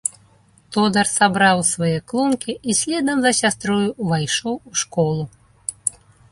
Тодар сабраў свае клункі і следам за сястрою увайшоў у школу.